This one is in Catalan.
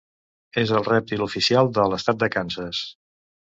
És el rèptil oficial de l'estat de Kansas.